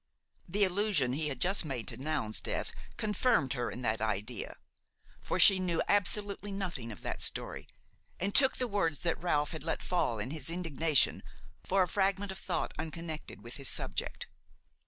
The allusion he had just made to Noun's death confirmed her in that idea; for she knew absolutely nothing of that story and took the words that Ralph had let fall in his indignation for a fragment of thought unconnected with his subject.